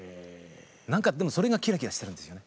何かでもそれがキラキラしてるんですよね。